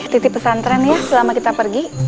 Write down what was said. titik pesantren ya selama kita pergi